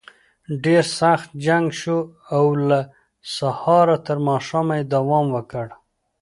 ډېر سخت جنګ شو او له سهاره تر ماښامه یې دوام وکړ.